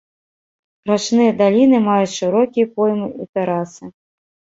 Рачныя даліны маюць шырокія поймы і тэрасы.